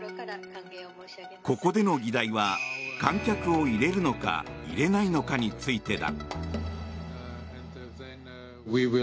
ここでの議題は観客を入れるのか入れないのかについてだ。